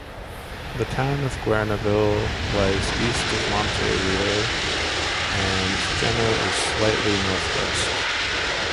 The town of Guerneville lies east of Monte Rio, and Jenner is slightly north-west.